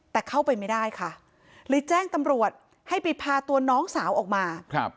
แต่เข้าไปไม่ได้ค่ะเลยแจ้งตำรวจให้ไปพาตัวน้องสาวออกมา